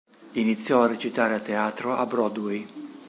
Iniziò a recitare a teatro a Broadway.